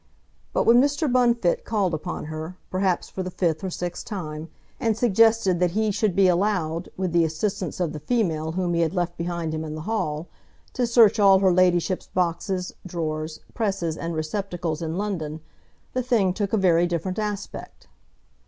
But when Mr. Bunfit called upon her, perhaps for the fifth or sixth time, and suggested that he should be allowed, with the assistance of the female whom he had left behind him in the hall, to search all her ladyship's boxes, drawers, presses, and receptacles in London, the thing took a very different aspect.